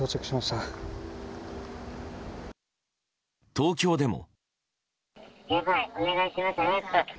東京でも。